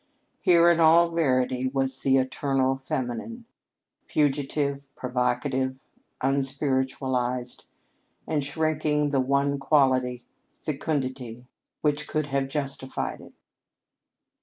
Here in all verity was "the eternal feminine," fugitive, provocative, unspiritualized, and shrinking the one quality, fecundity, which could have justified it.